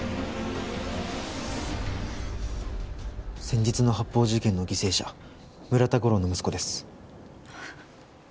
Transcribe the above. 先日の発砲事件の犠牲者村田五郎の息子です。